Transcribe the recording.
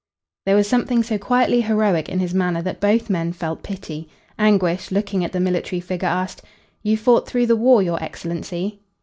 There was something so quietly heroic in his manner that both men felt pity. Anguish, looking at the military figure, asked: "You fought through the war, your excellency?"